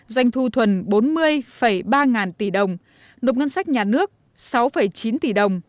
doanh thu thuần bốn mươi ba ngàn tỷ đồng nộp ngân sách nhà nước sáu chín tỷ đồng